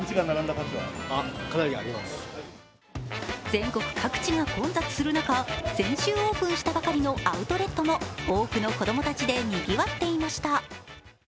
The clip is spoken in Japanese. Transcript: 全国各地が混雑する中、先週オープンしたばかりのアウトレットも多くの子供たちでにぎわっていました。